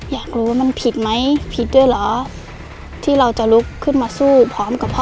อยากรู้ว่ามันผิดไหมผิดด้วยเหรอที่เราจะลุกขึ้นมาสู้พร้อมกับพ่อ